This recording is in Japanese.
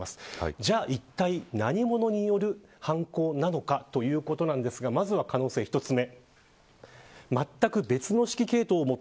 じゃあいったい何者による犯行なのかということなんですがまずは可能性１つ目。